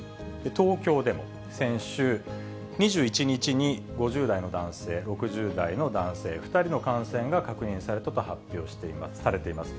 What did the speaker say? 東京でも、先週２１日に、５０代の男性、６０代の男性、２人の感染が確認されたと発表されています。